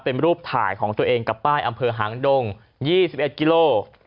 เป็นรูปถ่ายของตัวเองกับป้ายอำเภอหางดง๒๑กิโล